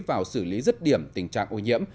vào xử lý rứt điểm tình trạng ô nhiễm